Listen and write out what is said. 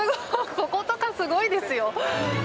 こことかすごいですよ。